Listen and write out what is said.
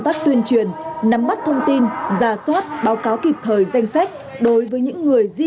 tác tuyên truyền nắm bắt thông tin giả soát báo cáo kịp thời danh sách đối với những người di